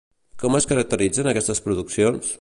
Com es caracteritzen aquestes produccions?